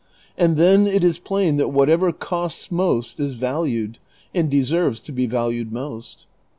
And then it is plain that whatever costs most is valued and deserves to be valued most.